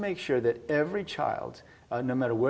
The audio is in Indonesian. akan dihilangkan oleh